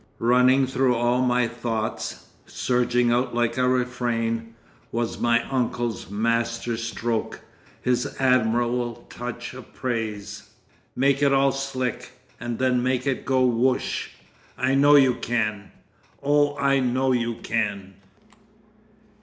Running through all my thoughts, surging out like a refrain, was my uncle's master stroke, his admirable touch of praise: "Make it all slick—and then make it go Woosh. I know you can! Oh! I know you can!"